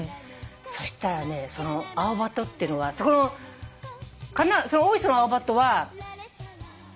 そしたらねそのアオバトってのは大磯のアオバトは。